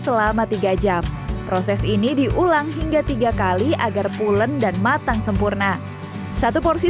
selama tiga jam proses ini diulang hingga tiga kali agar pulen dan matang sempurna satu porsi